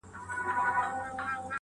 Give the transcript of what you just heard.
په یوه آواز راووتل له ښاره!.